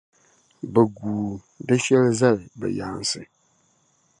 bɛ guui di shɛli zali bɛ yaansi.